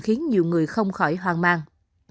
khiến nhiều người không khỏi hoang mang